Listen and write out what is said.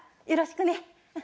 よろしくね。